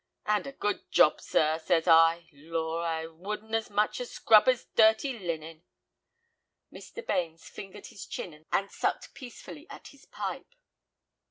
'And a good job, sir,' says I. Lor', I wouldn't as much as scrub 'is dirty linen." Mr. Bains fingered his chin and sucked peacefully at his pipe.